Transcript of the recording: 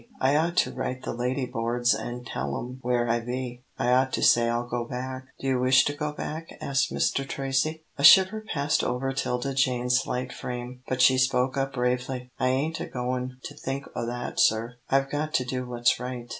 I ought to write the lady boards an' tell 'em where I be. I ought to say I'll go back." "Do you wish to go back?" asked Mr. Tracy. A shiver passed over 'Tilda Jane's slight frame, but she spoke up bravely. "I ain't a goin' to think o' that, sir. I've got to do what's right."